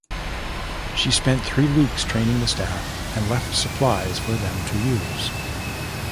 She spent three weeks training the staff and left supplies for them to use.